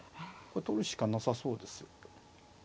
これ取るしかなさそうです。